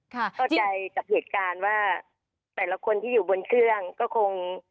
เข้าใจกับเหตุการณ์ว่าแต่ละคนที่อยู่บนเครื่องก็คง